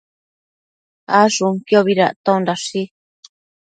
Ashunquiobi dactondashi